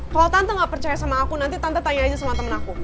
kalau tante gak percaya sama aku nanti tante tanya aja sama temen aku